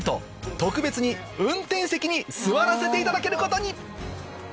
特別に運転席に座らせていただけることに！